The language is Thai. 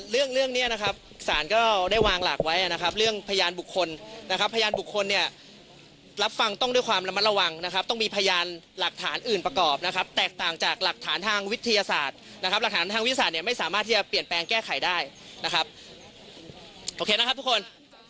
เรื่องเรื่องเนี้ยนะครับสารก็ได้วางหลักไว้นะครับเรื่องพยานบุคคลนะครับพยานบุคคลเนี่ยรับฟังต้องด้วยความระมัดระวังนะครับต้องมีพยานหลักฐานอื่นประกอบนะครับแตกต่างจากหลักฐานทางวิทยาศาสตร์นะครับหลักฐานทางวิทยาศาสตร์เนี่ยไม่สามารถที่จะเปลี่ยนแปลงแก้ไขได้นะครับโอเคนะครับทุกคน